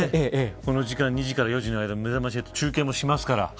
この時間、２時から３時の間めざまし８、中継もしますから。